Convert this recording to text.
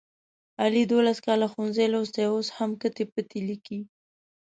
علي دوولس کاله ښوونځی لوستی اوس هم کتې پتې لیکي.